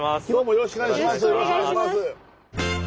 よろしくお願いします。